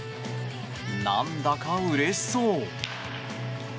なんだかうれしそう。